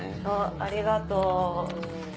ありがとう。